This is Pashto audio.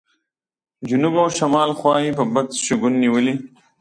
جنوب او شمال خوا یې په بد شګون نیولې.